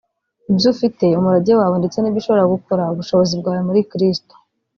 ibyo ufite (umurage wawe) ndetse n'ibyo ushobora gukora (ubushobozi bwawe) muri kristo